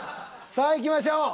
さあいきましょう。